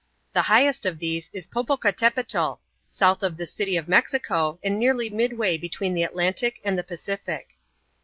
The highest of these is Popocatapetl, south of the city of Mexico and nearly midway between the Atlantic and Pacific.